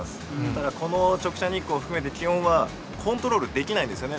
だから、この直射日光を含めて、気温はコントロールできないですよね。